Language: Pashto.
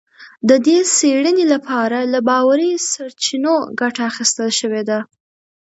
د دې څېړنې لپاره له باوري سرچینو ګټه اخیستل شوې ده